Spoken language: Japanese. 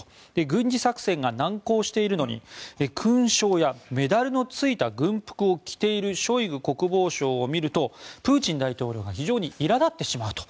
軍事作戦が難航しているのに勲章やメダルのついた軍服を着ているショイグ国防相を見るとプーチン大統領が非常にいら立ってしまうと。